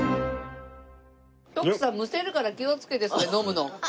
むせるから気をつけてそれ飲むの。